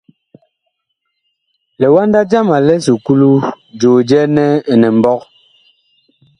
Liwanda jama li esuklu, joo jɛɛ nɛ Inimɓɔg.